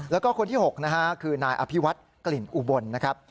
แล้วก็คนที่๖นะฮะคือนายอภิวัฒน์กลิ่นอุบลนะครับ